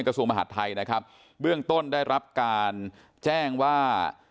กระทรวงมหาดไทยนะครับเบื้องต้นได้รับการแจ้งว่า